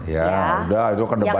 ya udah itu kena banyak lah